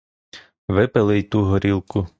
Випили й ту горілку.